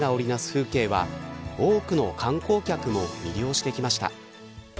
風景は多くの観光客も魅了してきました。